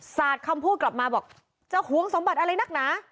สาดคำพูดกลับมาบอกจะหวงสมบัติอะไรนักหนา